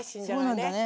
そうなんだね。